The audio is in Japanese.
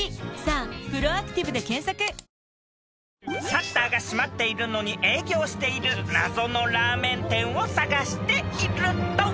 ［シャッターが閉まっているのに営業している謎のラーメン店を探していると］